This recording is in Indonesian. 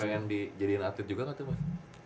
pengen dijadiin atlet juga nggak tuh mas